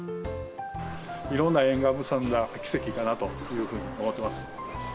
いろんな縁が結んだ奇跡かなというふうに思っています。